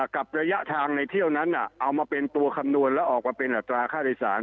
กับระยะทางในเที่ยวนั้นเอามาเป็นตัวคำนวณแล้วออกมาเป็นอัตราค่าโดยสาร